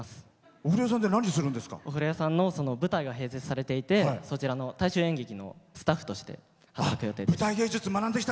お風呂屋さんに舞台が併設されていてそちらの大衆演劇のスタッフとして働く予定です。